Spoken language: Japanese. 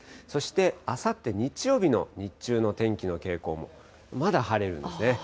そして、あさって日曜日の日中の天気の傾向も、まだ晴れるので。